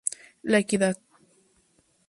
La Equidad.